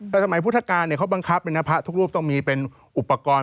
แต่สมัยพุทธกาลเขาบังคับเลยนะพระทุกรูปต้องมีเป็นอุปกรณ์